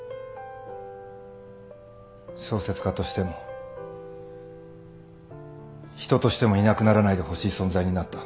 小説家としても人としてもいなくならないでほしい存在になった。